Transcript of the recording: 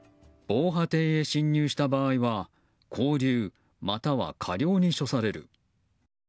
防波堤へ侵入した場合は拘留または科料に処される。